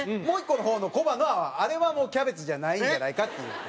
もう１個の方のコバのはあれはもうキャベツじゃないんじゃないかっていう。